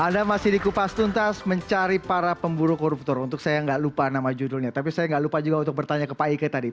anda masih di kupas tuntas mencari para pemburu koruptor untuk saya nggak lupa nama judulnya tapi saya nggak lupa juga untuk bertanya ke pak ike tadi